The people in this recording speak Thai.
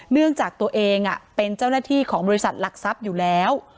เนื่องจากตัวเองเป็นเจ้าหน้าที่ของบริษัทหลักทรัพย์อยู่แล้ว